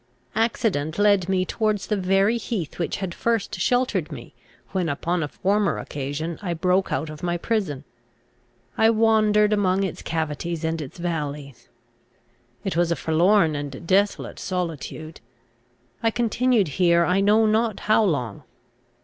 Accident led me towards the very heath which had first sheltered me, when, upon a former occasion, I broke out of my prison. I wandered among its cavities and its valleys. It was a forlorn and desolate solitude. I continued here I know not how long.